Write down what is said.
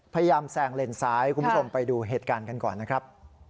พยายามแซงเลนซ้ายคุณผู้ชมไปดูเหตุการณ์กันก่อนนะครับ